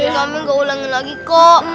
kami gak ulangi lagi kok